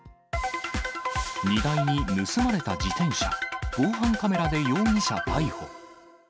荷台に盗まれた自転車、防犯カメラで容疑者逮捕。